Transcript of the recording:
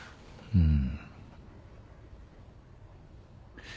うん。